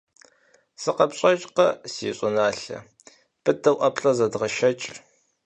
СыкъэпщӀэжкъэ, си щӀыналъэ, быдэу ӀэплӀэ зэдгъэшэкӀ.